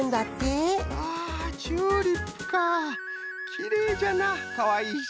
きれいじゃなかわいいし。